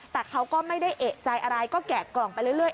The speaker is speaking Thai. แต่เขาก็ไม่ได้เอกใจอะไรก็แกะกล่องไปเรื่อย